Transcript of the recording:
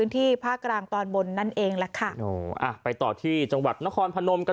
ที่ภาคกลางตอนบนนั่นเองแหละค่ะโอ้อ่ะไปต่อที่จังหวัดนครพนมกัน